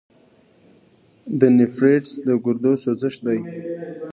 د نیفریټس د ګردو سوزش دی.